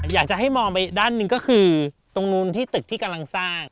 อยากจะให้มองไปด้านหนึ่งก็คือตรงนู้นที่ตึกที่กำลังสร้าง